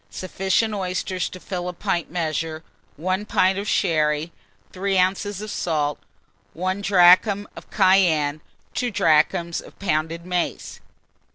Sufficient oysters to fill a pint measure, 1 pint of sherry, 3 oz. of salt, 1 drachm of cayenne, 2 drachms of pounded mace.